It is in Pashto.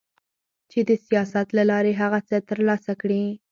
چي د سياست له لارې هغه څه ترلاسه کړي